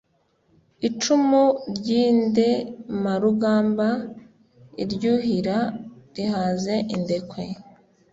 Icumu ry' indemarugambaIryuhira rihaze indekwe